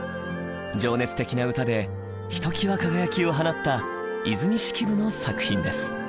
情熱的な歌でひときわ輝きを放った和泉式部の作品です。